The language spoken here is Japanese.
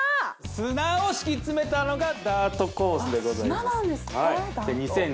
砂を敷き詰めたのがダートコースでございますあっ砂なんですね